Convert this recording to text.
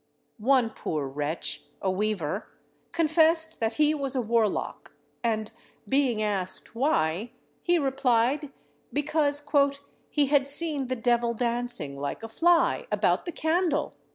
One poor wretch, a weaver, confessed that he was a warlock, and, being asked why, he replied, because "he had seen the devil dancing, like a fly, about the candle!"